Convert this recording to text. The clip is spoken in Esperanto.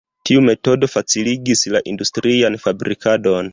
Tiu metodo faciligis la industrian fabrikadon.